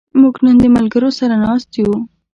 موږ نن د ملګرو سره ناست یو.